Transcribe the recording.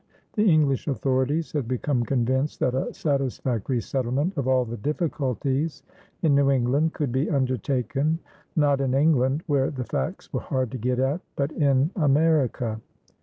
The English authorities had become convinced that a satisfactory settlement of all the difficulties in New England could be undertaken not in England, where the facts were hard to get at, but in America.